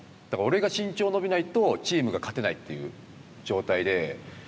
だから俺が身長伸びないとチームが勝てないっていう状態で。